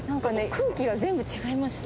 空気が全部違いました。